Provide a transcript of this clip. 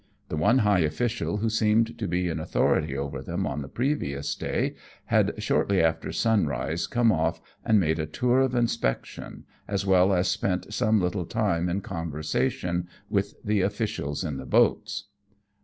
The one high official who seemed to be in authority over them on the previous day had shortly after sunrise come off and made a tour of inspection, as well as spent some little time in conversation with the officials in the boats.